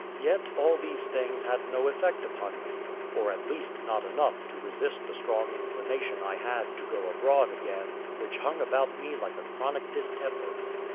Yet all these things had no effect upon me, or at least not enough to resist the strong inclination I had to go abroad again, which hung about me like a chronic distemper.